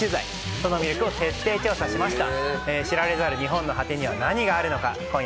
その魅力を徹底調査しました。